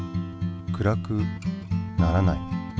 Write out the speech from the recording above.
暗くならない。